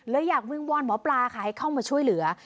อยากวิงวอนหมอปลาค่ะให้เข้ามาช่วยเหลือ